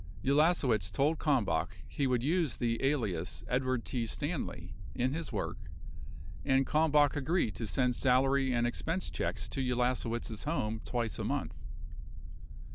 Ulasewicz told Kalmbach he would use the alias Edward T. Stanley in his work 6 and Kalmbach agreed to send salary and expense checks to Ulasewicz' home twice a month.